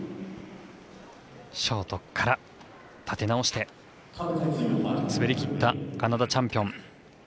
ショートから立て直して滑りきったカナダチャンピオン。